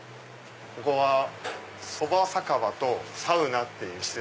ここはそば酒場とサウナっていう施設なんです。